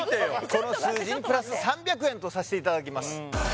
この数字にプラス３００円とさせていただきます